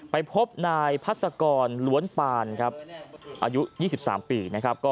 ไปพบนายพัศกรล้วนป่านอายุ๒๓ปี